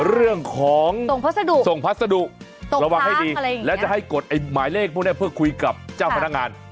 เรื่องของส่งพัสดุระวังให้ดีและจะให้กดไอ้หมายเลขพวกนี้เพื่อคุยกับเจ้าพนักงาน